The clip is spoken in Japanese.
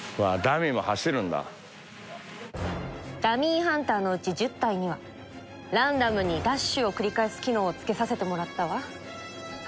ダミーハンターのうち１０体にはランダムにダッシュを繰り返す機能をつけさせてもらったわ。